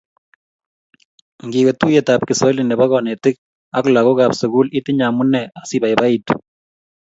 Ngiwe tuiyetab kiswahili nebo konetik ak lagokab sukul itinye amune asibabaitu